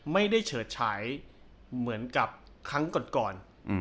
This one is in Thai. ไม่ได้เฉิดใช้เหมือนกับครั้งก่อน